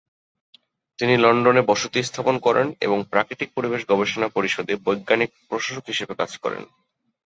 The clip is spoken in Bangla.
তিনি লন্ডনে বসতি স্থাপন করেন এবং প্রাকৃতিক পরিবেশ গবেষণা পরিষদে বৈজ্ঞানিক প্রশাসক হিসেবে কাজ করেন।